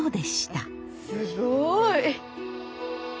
すごい！